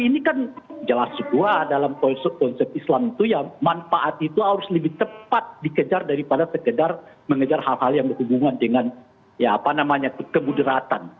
ini kan jelas sebuah dalam konsep islam itu ya manfaat itu harus lebih tepat dikejar daripada sekedar mengejar hal hal yang berhubungan dengan kebuderatan